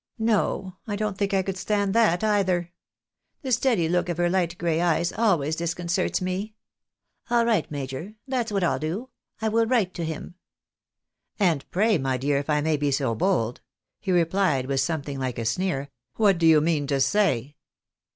No ! I don't think I could stand that either. The steady look of her light gray eyes always disconcerts me. I'll write, major, that's what I'll do. I will write to him." " And pray, my dear, if I may be so bold," he replied, with something Uke a sneer, " what do you mean to say?